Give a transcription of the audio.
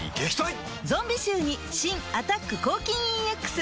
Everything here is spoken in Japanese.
ゾンビ臭に新「アタック抗菌ＥＸ」